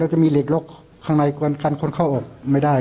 แล้วจะมีเหล็กรกข้างในกุญการค้นเข้าออกไม่ได้